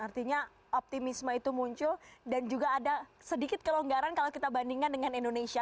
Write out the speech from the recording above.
artinya optimisme itu muncul dan juga ada sedikit kelonggaran kalau kita bandingkan dengan indonesia